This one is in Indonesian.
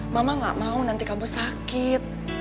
mama gak mau nanti kamu sakit